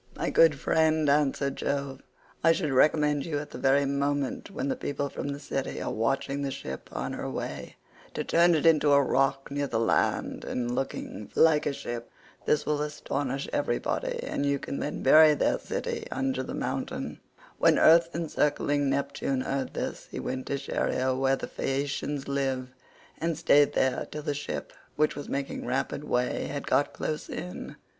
"My good friend," answered Jove, "I should recommend you at the very moment when the people from the city are watching the ship on her way, to turn it into a rock near the land and looking like a ship. This will astonish everybody, and you can then bury their city under the mountain." When earth encircling Neptune heard this he went to Scheria where the Phaeacians live, and stayed there till the ship, which was making rapid way, had got close in.